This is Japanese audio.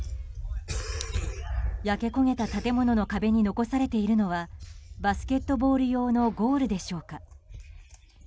焼け焦げた建物の壁に残されているのはバスケットボール用のゴールでしょうか。